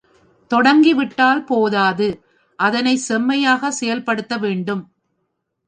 தொடங்கிவிட்டால் போதாது அதனைச் செம்மையாகச் செயல்படுத்த வேண்டும்.